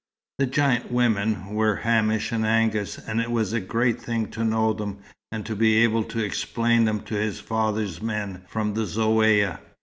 The giant women were Hamish and Angus, and it was a great thing to know them, and to be able to explain them to his father's men from the Zaouïa.